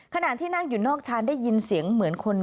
ขณะที่นั่งอยู่นอกชานได้ยินเสียงเหมือนคน